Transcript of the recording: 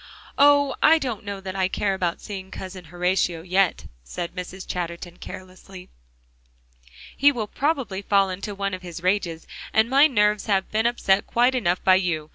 "Oh! I don't know that I care about seeing Cousin Horatio yet," said Mrs. Chatterton carelessly. "He will probably fall into one of his rages, and my nerves have been upset quite enough by you.